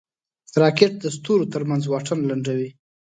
راکټ د ستورو ترمنځ واټن لنډوي